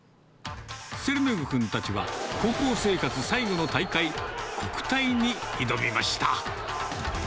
ツェルメグ君たちは、高校生活最後の大会、国体に挑みました。